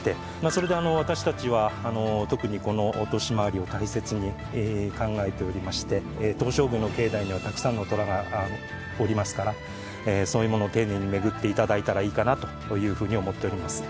それで私たちは特にこの年回りを大切に考えておりまして東照宮の境内にはたくさんの虎がおりますからそういうものを丁寧に巡って頂いたらいいかなというふうに思っております。